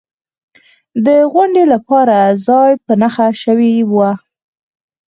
د غونډې لپاره ځای په نښه شوی و.